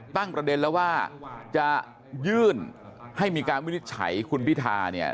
ตั้งประเด็นแล้วว่าจะยื่นให้มีการวินิจฉัยคุณพิธาเนี่ย